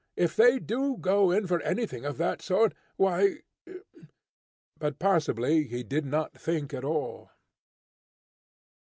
If they do go in for anything of that sort, why " But possibly he did not think at all.